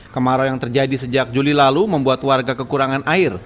kemarau yang terjadi sejak juli lalu membuat warga kekurangan air